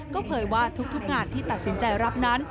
ก็เผยว่าทุกงานที่ตัดสินใจรับนั้น